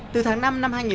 hướng dẫn một số điều